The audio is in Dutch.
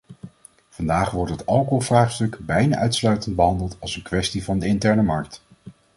Vandaag wordt het alcoholvraagstuk bijna uitsluitend behandeld als een kwestie van de interne markt.